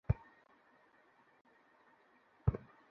Internet, office সহকারী, চা-কফি, canteen থেকে শুরু করে অনেক সুবিধাই আছে।